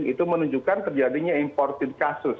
itu menunjukkan terjadinya imported kasus